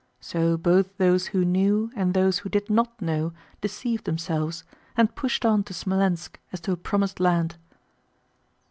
So both those who knew and those who did not know deceived themselves, and pushed on to Smolénsk as to a promised land.